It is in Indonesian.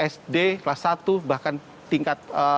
sd kelas satu bahkan tingkat